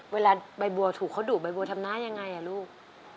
เวลาใบบัวถูกเขาดุใบบัวทำหน้ายังไงลูก